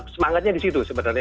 semangatnya di situ sebenarnya